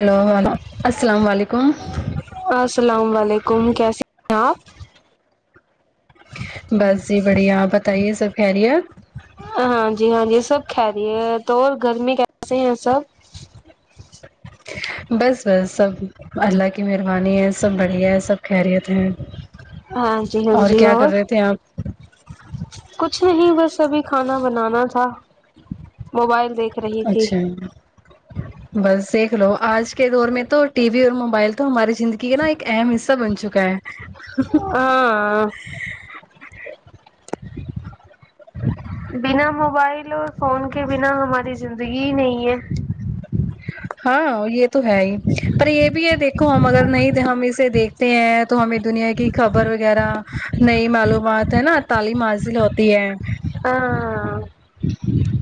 hello و السلام علیکم آ السلام علیکم کیسے آپ بس جی بڑھیا آپ بتائیے سب خیریت ہے ہاں جی ہاں جی سب خیریت اور گھر میں کیسے ہیں سب بس بس سب اللہ کی مہربانی ہے سب بڑھیا ہے سب خیریت ہیں ہاں جی ہاں جی اور آپ کچھ نہیں بس ابھی کھانا بنانا تھا موبائل دیکھ رہی تھی اچھا بس دیکھ لو آج کے دور میں تو ٹی وی اور موبائل تو ہماری زندگی کی ہے نا ایک اہم حصہ بن چکا ہے ہاں بنا موبائل اور فون کے بنا ہماری زندگی ہی نہیں ہے ہاں یے تو ہے ہی پر یے بھی ہے دیکھ کو ہم اگر نہیں ہم اسے دیکھتے ہیں تو ہمیں دنیا کی خبر وغیرہ نئی معلومات ہے نا تعلیم حاضل ہوتی ہے ہاں آآ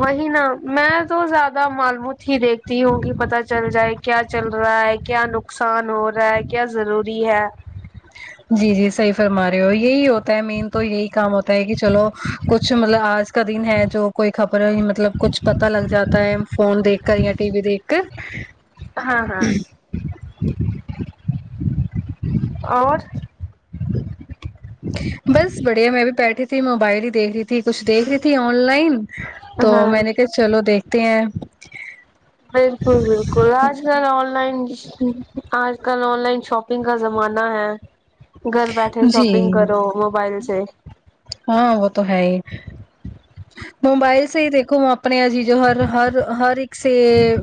وہی نا میں تو زیادہ معلومات ہی دیکھتی ہوں کہ پتہ چل جائے کیا چل رہا ہے کیا نقصان ہو رہا ہے کیا ضروری ہے جی جی صحیح فرما رہے ہو یہی ہوتا ہے مین تو یہی کام ہوتا ہے کہ چلو کچھ مطلب آج کا دن ہے جو کوئی خبر مطلب کچھ پتا لگ جاتا ہے فون دیکھ کر یا ٹی وی دیکھ کر ہاں ہاں اور بس بڑھیا میں بھی بیٹھی تھی موبائل ہی دیکھ رہی تھی کچھ دیکھ رہی تھی آن لائن تو ہاں میں نے کہ چلو دیکھتے ہیں بالکل بالکل آج کل آن لائن آج کل آن لائن شاپنگ کا زمانہ ہے گھر بیٹھے جی شاپنگ کرو موبائل سے ہاں وہ تو ہے ہی موبائل سے ہی دیکھو اپنے یہجی جو ہر ہر ہر ایک سے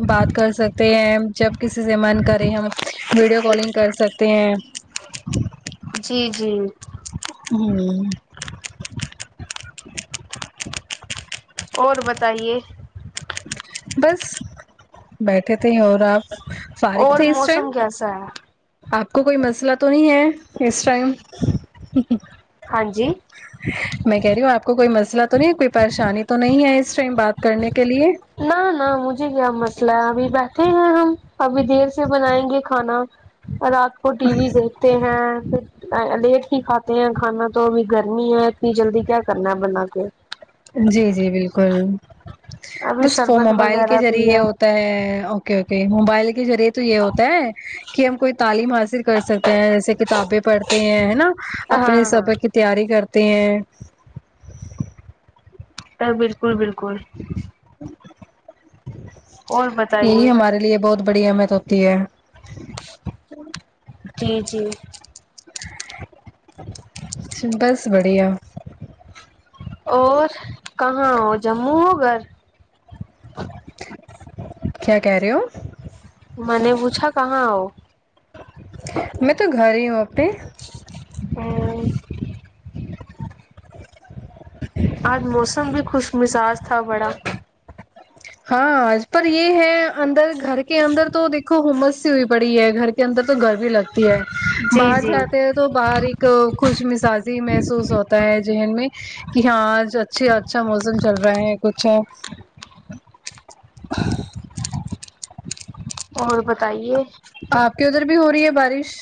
بات کر سکتے ہیں جب کسی سے من کرے ہم ویڈیو کالنگ کر سکتے ہیں جی جی ہوں اور بتائیے بس بیٹھے تھے اور آپ فارغ اور تھے اس ٹائم موسم کیسا ہے آپ کو کوئی مسئلہ تو نہیں ہے اس ٹائم ہاں جی میں کہہ رہی ہوں آپ کو کوئی مسئلہ تو نہیں ہے کوئی پریشانی تو نہیں ہے اس ٹائم بات کرنے کے لیے نہ نہ مجھے کیا مسئلہ ہے ابھی بیٹھے ہیں ہم ابھی دیر سے بنائیں گے کھانا رات کو ٹی وی دیکھتے ہیں پھر لیٹ ہی کھاتے ہیں کھانا تو ابھی گرمی ہے اتنی جلدی کیا کرنا ہے بنا کے جی جی بالکل ابھی بس وہ شربت موبائل کے وغیرہ ذریعے پیا ہو تا ہے اوکے اوکے موبائل کے ذریعے تو یہ ہوتا ہے کہ ہم کوئی تعلیم حاصل کر سکتے ہیں جیسے کتابیں پڑھتے ہیں نا ہاں اپنے سبق کی ہاں تیاری کرتے ہیں بلکل بلکل اور بتائیے یہی ہمارے لیے بہت بڑی اہمیت ہوتی ہے جی جی بس بڑھیا اور کہاں ہو جموں ہو گھر کیا کہہ رہے ہو میں نے پوچھا کہاں ہوں میں تو گھر ہی ہوں اپنے ہوں آج موسم بھی خوش مزاج تھا بڑا ہاں آج پر یہ ہے اندر گھر کے اندر تو دیکھو ہمس سی ہوئی پڑی ہے گھر اندر تو گرمی لگتی ہے جی باہر جی جاتے ہیں تو باہر ایک خوش مزازی محسوس ہوتا ہے ذہن میں کہ ہاں آج اچھے اچھا موسم چل رہا ہے کچھ ہ اور بتائیے آپ کے ادھر بھی ہو رہی ہے بارش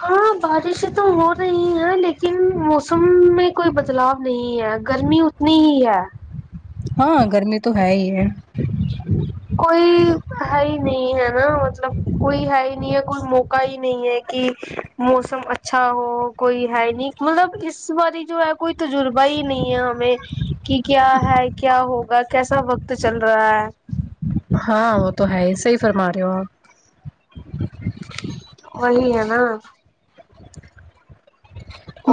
ہاں بارشیں تو ہو رہی ہیں لیکن موسم میں کوئی بد بدلاو نہیں ہے گرمی اتنی ہی ہے ہاں گرمی تو ہے ہی ہے کوئی بھائی نہیں ہے نا مطلب کوئی ہے ہی نہیں ہے کوئی موقع ہی نہیں ہے کہ موسم اچھا ہو کوئی ہے نہیں مطلب اس باری جو ہے کوئی تجربہ ہی نہیں ہے ہمیں کی کیا ہے کیا ہوگا کیسا وقت چل رہا ہے ہاں وہ تو ہے صحیح فرما رہی ہو آپ وہی ہے نا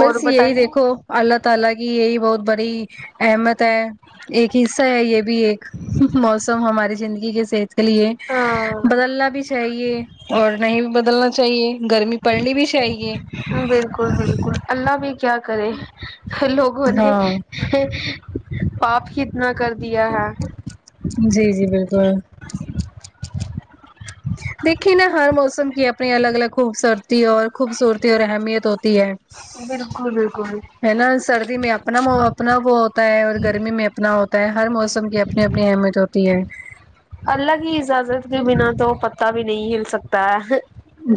اور یہی بتائیے دیکھو اللہ تعالی کی یہی بہت بڑی احمت ہے ایک حصہ ہے یہ بھی ایک موسم ہماری زندگی کے صحت اس کے لیے ہاں بدلنا بھی چاہیے اور نہیں بھی بدلنا چاہیے گرمی پڑھنی بھی چاہیے بالکل بالکل اللہ بھی کیا کرے لوگوں نے ہاں پاپ کتنا کر دیا ہے جی جی بلکل دیکھیے نا ہر موسم کی اپنی الگ الگ خوبصورتی ہے اور خوبصورتی اور اہمیت ہوتی ہے بالکل بالکل ہے نا سردی میں اپنا اپنا وہ ہوتا ہے اور گرمی میں اپنا ہو ہو تا ہے ہر موسم کی اپنی اپنی اہمیت ہوتی ہے کبھی نہیں ہل سکتا ہے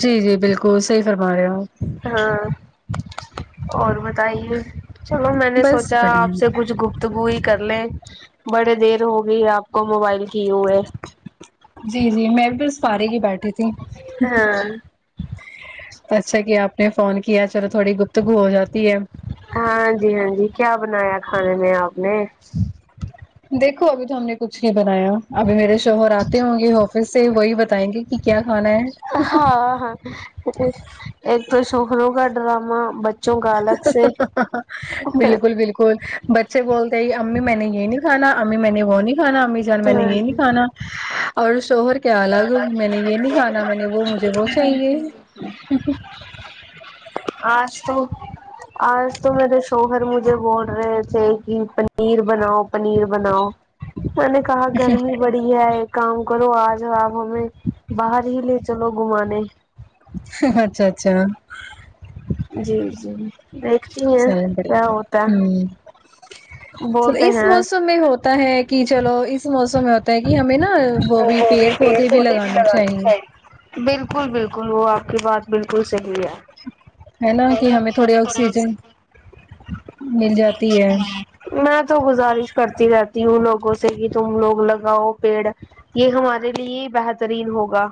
جی جی بالکل صحیح فرما رہے ہو ہاں اور بتائیے چلو میں نے بس سوچا بڑھیا آپ سے کچھ گوفت تگو ہی کر لیں بڑی دیر ہوگئی آپ کو موبائل کی ہوئے جی جی میں بھی بس فارغ ہی بیٹھی تھی ہاں اچھا کیا آپ نے فون کیا چلو تھوڑی گفتگو ہو جاتی ہے ہاں جی ہاں جی کیا بنایا کھانے میں آپ نے دیکھو ابھی تو ہم نے کچھ نہیں بنایا ابھی میرے شوہر آتے ہوں گے آفس سے وہی بتائیں گے کی کیا کھانا ہے ہاں ہاں ایک تو شوہروں کا ڈرامہ بچوں کا الگ سے بالکل بالکل بچے بولتے ہی امی میں نے یے نہیں کھانا امی میں نے وہ نہیں کھا امی جان میں نے یے نہیں کھانا [inaudible] اور شوہر کیا الگ میں نے یے نہیں کھانا میں نے وہ مجھے وہ چاہیے آج تو آج تو میرے شوہر مجھے بول رہے تھے کی پنیر بناؤ پنیر بناؤ میں نے کہا گرمی بڑی ہے ایک کام کرو آج آپ ہمیں باہر ہی لے چلو گھومانے ہاں اچھا اچھا جی جی دیکھتی ہیں سالم پڑے کیا گا ہوتا ہے ہوں چل بولتے اس ہیں موسم میں ہوتا ہے کی چلو اس موسم میں ہوتا ہے کی ہمیں نا ہا وہ بھی پیڑ پودے بھی لگانے چاہیے بالکل بالکل وہ آپ کی بات بالکل صحیح ہے ہے نا کی ہمیں تھوڑی آکسیجن مل جاتی ہے میں تو گزارش کرتی رہتی ہوں لوگوں سے کی تم لوگ لگاؤ پیڑ یے ہمارے لیے ہی بہترین ہوگا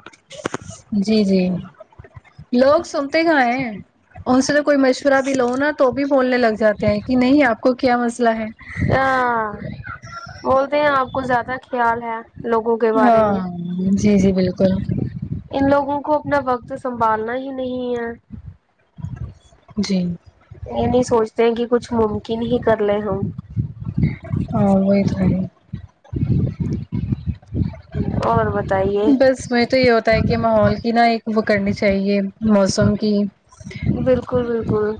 جی جی لوگ سنتے کہاں ہیں ان سے تو کوئی مشورہ بھی لو نا تو بھی بولنے لگ جاتے ہیں کی نہیں آپ کو کیا مسلہ ہے آ بولتے ہیں آپ کو زیادہ خیال ہے لوگوں کے بارے ہاں میں جی جی بالکل ان لوگوں کو اپنا وقت سنبھالنا ہی نہیں ہے جی یے نہیں سوچتے ہیں کی کچھ ممکن ہی کر لے ہم ہاں وہی تو ہے [inaudible] اور بتائیے بس میں تو یے ہوتا ہے کی ماحول کی نا ایک وہ کرنی چاہیے موسم کی بالکل بالکل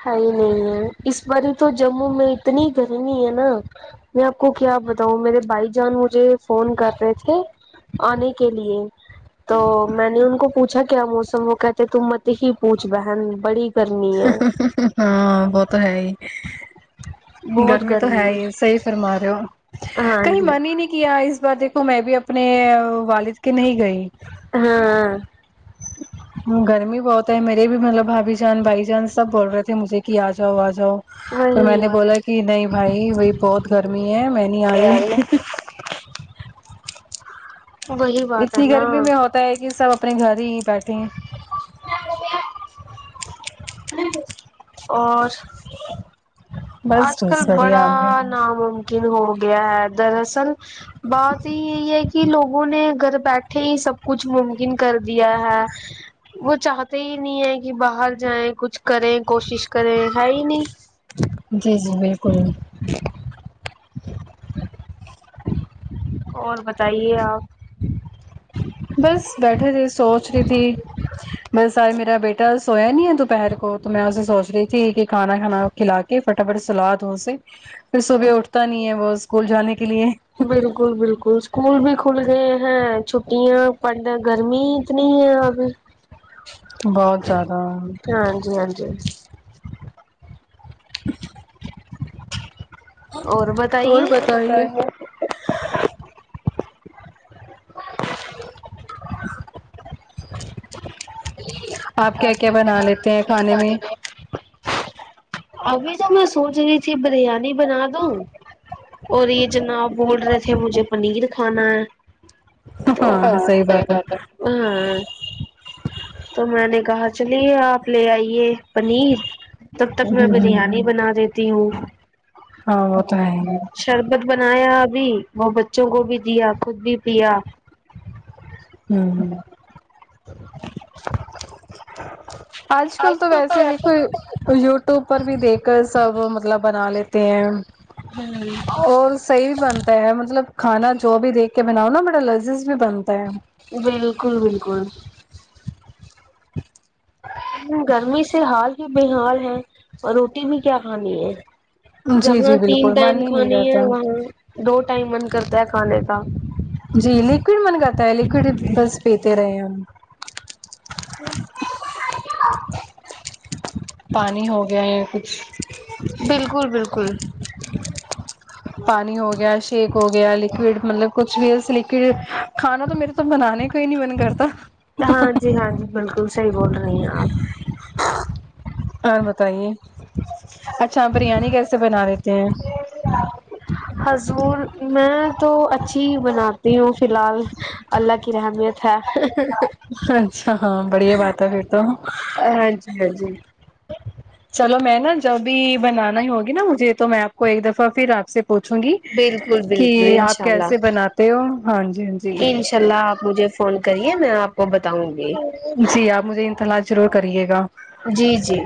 ہ ہی نہیں ہے اس باری تو جموں میں اتنی گرمی ہے نا میں آپ کو کیا بتاؤں میرے بھائی جان مجھے فون کر رہے تھے آنے کے لیے تو میں نے ان کو پوچھا کیا موسم وہ کہتے تو مت ہی پوچھ بہن بڑی گرمی ہے ہاں وہ تو ہے ہی گرمی تو ہے ہی صحی فرما رے ہو ہاں کہیں جی من ہی نہیں کیا اس بار دیک تو میں بھی اپنے والد کے نہیں گئی ہاں [inaudible] گرمی بہت ہے میرے بھی ملب بھابھی جان بھائی جان سب بول رہے تھے مجھے کی آ جاؤ آ جاؤ تو میں وہی نے بولا کی نہیں بھائی وہی بہت گرمی ہے میں نہیں آ ہے رہی وہی بات ہے اتنی نا گرمی میں ہوتا ہے کی سب اپنے گھر ہی بیٹھے اور بس آج کل بس بڑھیا بڑا آپ نے ہر ناممکن ہو گیا ہے دراصل بات ہی یی ہے کی کی لوگوں نے گر بیٹھے ہی سب کچھ ممکن کر دیا ہے وہ چاہتے ہی نہیں ہے کی باہر جائیں کچھ کریں کوشش کریں ہے ہی نہیں جی جی بالکل اور بتائیے آپ بس بیٹھے تھے سوچ ری تھی بس آج میرا بیٹا سویا نہیں ہے دوپہر کو تو میں اس سے سوچ رہی تھی کہ کھانا کھانا کھلا کے فٹافٹ سلادو اسے پھر صبح اٹھتا نہیں ہے وہ اسکول جانے کے لیے بالکل بالکل اسکول بھی کھل گئے ہیں چھٹیاں پرڑدہ گرمی کی اتنی ہے اب بہت زیادہ ہاں جی ہاں جی اور بتے اور بتائیے کیا آپ کیا کیسے بنا مزہ [unintelligible] رہ لیتے میں ہیں کھانے کے میں [unintelligible] ابھی تو میں سوچ رہی تھی بریانی بنا دوں اور یہ جناب بول رہے تھے مجھے پنیر کھانا ہے [unintelligible] صحیح بات ہاں تو میں نے کہا چلیے آپ لے آئیے پنیر تب تک میں بریانی بنا دیتی ہوں ہاں وہ تو ہے ہی شربت بنایا ابھی وہ بچوں کو بھی دیا خود بھی پیا ہمم آج کل تو ویسے دیکھو یوٹیوب پر بھی دیکھ کر سب مطلب بنا لیتے ہیں جی اور صحیح بھی بنتا ہے مطلب کھانا جو بھی دیکھ کے بناؤ نا بڑا لذیذ بھی بنتا ہے بالکل بالکل گرمی سے ہال بھی بےحال ہے اور روٹی بھی کیا کھانی ہے جی جہاں جی تین بالکل من ٹائم ہی نہیں کھانی ہے رہتا وہاں دو ٹائم من کرتا ہے کھانے کا جی لکوڈ من کرتا ہے لکوڈ بس پیتے رہے ہیں ہم پانی ہو گیا یا کچھ بالکل بالکل پانی ہو گیا شیک ہو گیا لکوڈ مطلب کچھ بھی لکوڈ کھانا تو میرے تو بنانے کو ہی نہیں من کرتا ہاں جی ہاں جی بالکل صحیح بول رہی ہیں آپ اور بتائیے اچھا بریانی کیسے بنا لیتے ہیں حضور میں تو اچھی بناتی ہوں فی الحال اللہ کی رحمیت ہے اچھا ہاں بڑھیا بات ہے پھر تو ہاں جی ہاں جی چلو میں نا جب بھی بنانا ہی ہوگی نا مجھے تو میں آپ کو ایک دفعہ پھر آپ سے پوچھوں گی بالکل کہ بالکل آپ انشاء کیسے اللہ بناتے ہو ہاں جی ہاں جی انشاء اللہ آپ مجھے فون کریے میں آپ کو بتاؤں گی جی آپ مجھے انتلا جرور کریے گا جی جی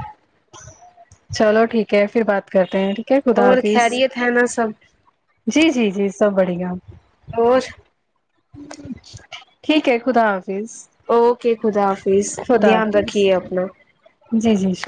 چلو ٹھیک ہے پھر بات کرتے ہیں ٹھیک ہے خدا اور حافظ خیریت ہے نا سب جی جی جی سب بڑھیا اور ٹھیک ہے خدا حافظ اوکے خدا حافظ خدا دھیان حافظ رکھیے اپنا جی جی